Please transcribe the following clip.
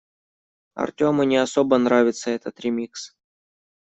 Артёму не особо нравится этот ремикс.